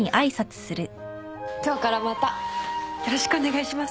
今日からまたよろしくお願いします